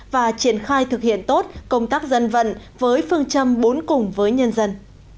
và triển khai thực hiện tốt công tác dân vận với phương châm bốn cùng với nhân dân